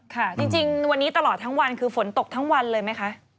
ค่ะจริงวันนี้ตลอดทั้งวันคือฝนตกทั้งวันเลยไหมคะ